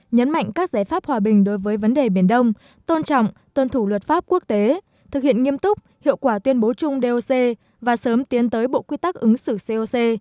nhấn mạnh các giải pháp hòa bình đối với vấn đề biển đông tôn trọng tuân thủ luật pháp quốc tế thực hiện nghiêm túc hiệu quả tuyên bố chung doc và sớm tiến tới bộ quy tắc ứng xử coc